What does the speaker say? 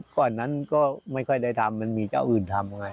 ก่อนนั้นก็ไม่ค่อยได้ทำมันมีเจ้าอื่นทำไง